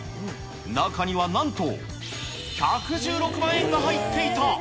中にはなんと、１１６万円が入っていた。